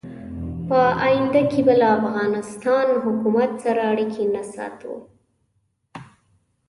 په آینده کې به له افغانستان حکومت سره اړیکې نه ساتو.